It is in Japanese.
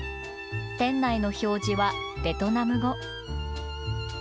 店内の表示はベトナム語。